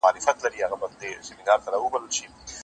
تر سر منزل پوري مو خپلي سایې وساتلې